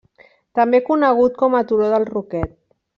També conegut com a turó del Roquet.